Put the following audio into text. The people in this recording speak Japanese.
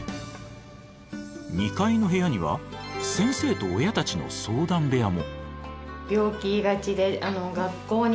２階の部屋には先生と親たちの相談部屋も。